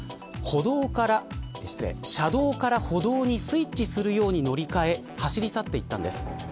車道から歩道にスイッチするように乗り換え走り去っていったんです。